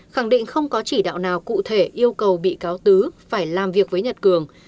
khẳng định không có chỉ đạo nào cụ thể yêu cầu bị cáo tứ phải làm việc với nhật cường